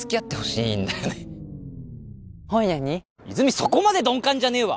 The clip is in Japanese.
そこまで鈍感じゃねえわ！